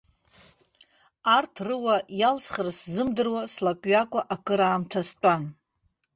Арҭ рыуа иалсхра сзымдыруа, слакҩакуа акыраамҭа стәан.